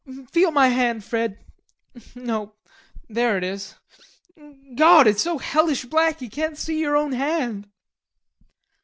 "Feel my hand, Fred.... No.... There it is. God, it's so hellish black you can't see yer own hand."